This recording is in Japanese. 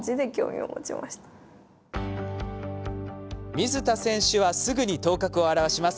水田選手はすぐに頭角を現します。